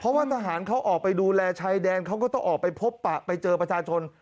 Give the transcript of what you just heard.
เพราะว่าทหารเขาออกไปดูแลชายแดนเขาก็ต้องออกไปพบปะไปเจอประชาชน